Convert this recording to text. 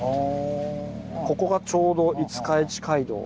ここがちょうど五日市街道ですね。